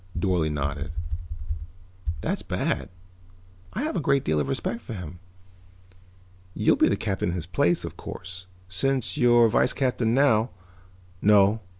Dorle nodded. "That's bad. I have a great deal of respect for him. You will be captain in his place, of course. Since you're vice captain now " "No.